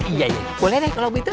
iya iya boleh deh kalau begitu